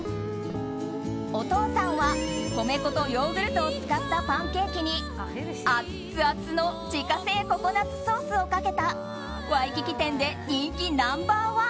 お父さんは米粉とヨーグルトを使ったパンケーキにアツアツの自家製ココナツソースをかけたワイキキ店で人気ナンバー